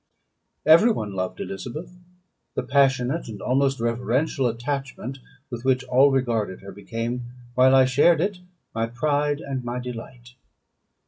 Every one loved Elizabeth. The passionate and almost reverential attachment with which all regarded her became, while I shared it, my pride and my delight.